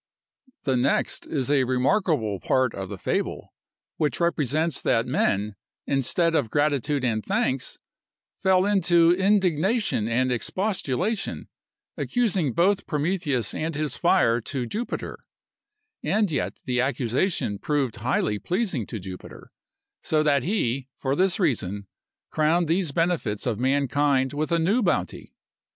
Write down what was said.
The next is a remarkable part of the fable, which represents that men, instead of gratitude and thanks, fell into indignation and expostulation, accusing both Prometheus and his fire to Jupiter,—and yet the accusation proved highly pleasing to Jupiter; so that he, for this reason, crowned these benefits of mankind with a new bounty.